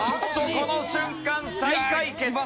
この瞬間最下位決定です。